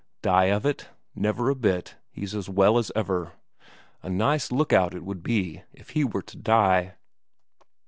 Die of it? Never a bit, he's as well as ever. A nice look out it would be if he were to die!